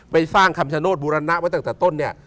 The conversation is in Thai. ไปสร้างคำชโนธบูรณะไว้ตั้งแต่ต้นเนี่ย